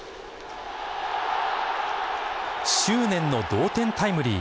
執念の同点タイムリー。